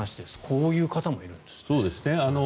こういう方もいるんですね。